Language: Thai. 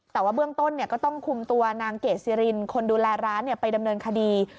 แต่ว่าเบื้องต้นก็ต้องคุมตัวนางเกดซิรินคนดูแลร้านไปดำเนินคดี